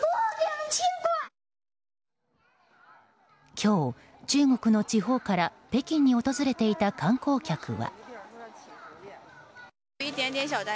今日、中国の地方から北京に訪れていた観光客は。